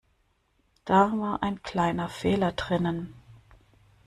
Da war ein kleiner Fehler drinnen.